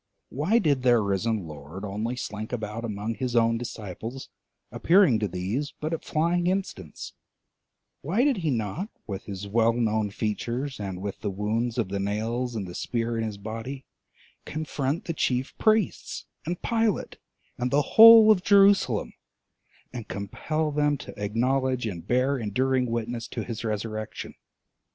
Why did their risen Lord only slink about among his own disciples, appearing to these but at flying instants: why did he not, with his well known features and with the wounds of the nails and the spear in his body, confront the chief priests and Pilate and the whole of Jerusalem, and compel them to acknowledge and bear enduring witness to his resurrection?